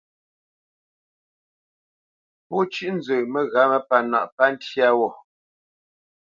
Pó cʉ́ʼ nzə məghǎmə pánǎʼ pá tyâ wó.